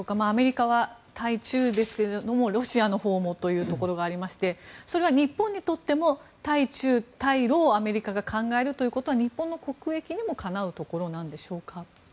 アメリカは対中ですがロシアのほうもというところもありましてそれは日本にとっても対中、対露をアメリカが考えるということは日本の国益にもかなうことなんでしょうか。